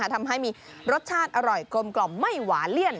ทำให้มีรสชาติอร่อยกลมไม่หวานเลี่ยน